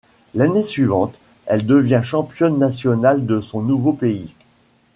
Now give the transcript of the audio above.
L'année suivante, elle devient championne nationale de son nouveau pays.